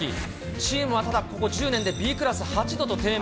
チームはただここ１０年でＢクラス８度と低迷。